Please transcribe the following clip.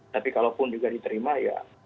tapi kalau pun juga diterima ya